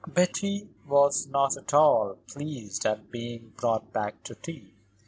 Betty was not at all pleased at being brought back to tea.